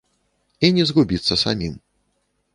І не згубіцца самім.